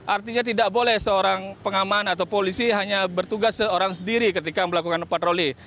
artinya tidak boleh seorang pengaman atau polisi hanya bertugas seorang sendiri ketika melakukan patroli